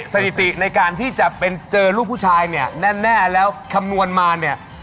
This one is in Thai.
สถิติในการที่จะไปเจอลูกผู้ชายเนี่ยแน่แล้วคำนวณมาเนี่ย